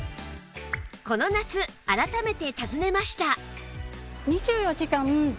この夏改めて訪ねました